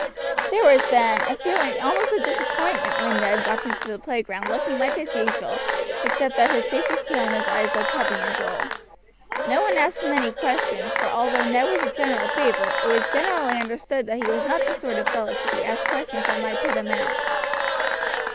There was, then, a feeling almost of disappointment when Ned walked into the playground looking much as usual, except that his face was pale and his eyes looked heavy and dull. No one asked him any questions; for although Ned was a general favorite, it was generally understood that he was not the sort of fellow to be asked questions that might put him out.